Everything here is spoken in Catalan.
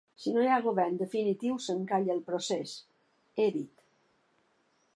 Si no hi ha govern definitiu s’encalla el procés, he dit.